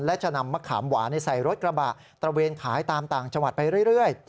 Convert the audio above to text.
และจะนำมะขามหวานใส่รถกระบะตระเวนขายตามต่างจังหวัดไปเรื่อย